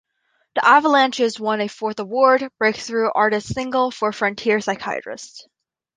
The Avalanches won a fourth award, Breakthrough Artist - Single for "Frontier Psychiatrist".